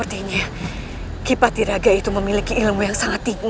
tidak bunda ini tidak mungkin tidak